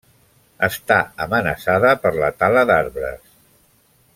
Està amenaçada per la tala d'arbres.